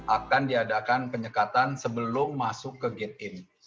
akan diadakan penyekatan sebelum masuk ke gate in